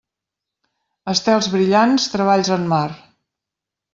Estels brillants, treballs en mar.